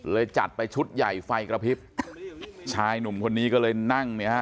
จัดไปชุดใหญ่ไฟกระพริบชายหนุ่มคนนี้ก็เลยนั่งเนี่ยฮะ